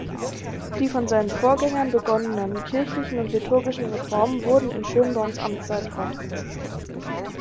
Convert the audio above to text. Die von seinen Vorgängern begonnenen kirchlichen und liturgischen Reformen wurden in Schönborns Amtszeit fortgesetzt.